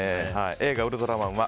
映画「ウルトラマン」は